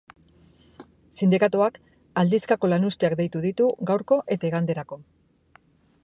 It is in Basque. Sindikatuak aldizkako lanuzteak deitu ditu gaurko eta iganderako.